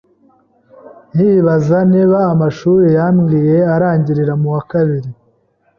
nyibaza niba amashuri yambwiye arangirira muwa kabiri;